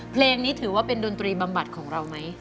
เพลงนี้ถือว่าเป็นดนตรีบำบัดของเราไหม